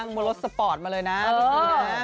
นั่งบนรถสปอร์ตมาเลยนะพี่ทีนะ